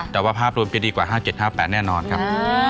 แต่ว่าภาพรวมจะดีกว่า๕๗๕๘แน่นอนครับ